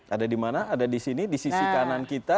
ada di mana ada di sini di sisi kanan kita